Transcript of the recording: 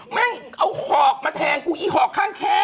แม่งเอาหอกมาแทงกูอีหอกข้างแค้